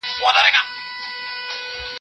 چي يوازي دي لايق د پاچاهانو